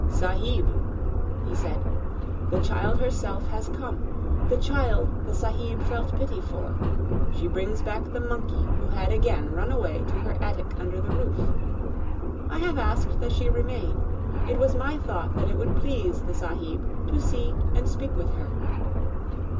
"Sahib," he said, "the child herself has come the child the sahib felt pity for. She brings back the monkey who had again run away to her attic under the roof. I have asked that she remain. It was my thought that it would please the sahib to see and speak with her."